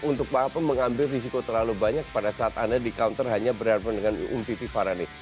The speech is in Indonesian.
untuk mengambil risiko terlalu banyak pada saat anda di counter hanya berhadapan dengan ump fareni